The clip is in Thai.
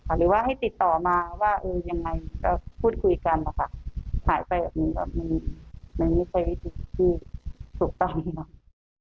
หรือว่าให้ติดต่อมาว่าเออยังไงก็พูดคุยกันนะคะหายไปแบบนี้ก็มันไม่ใช่วิธีที่ถูกต้อง